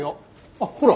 あっほら。